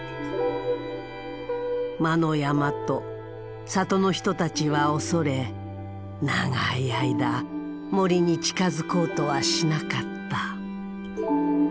魔の山と里の人たちは恐れ長い間森に近づこうとはしなかった。